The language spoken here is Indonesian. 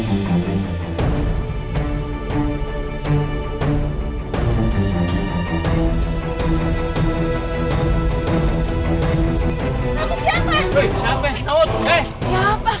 kamu itu kayaknya bukan orang sini jenny